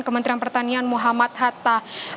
kementerian pertanian muhammad hatta